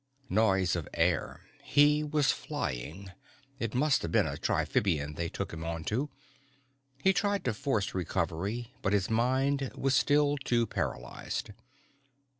Noise of air, he was flying, it must have been a triphibian they took him onto. He tried to force recovery but his mind was still too paralyzed.